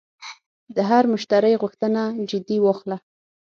د هر مشتری غوښتنه جدي واخله.